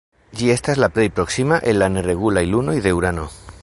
Ĝi estas la plej proksima el la neregulaj lunoj de Urano.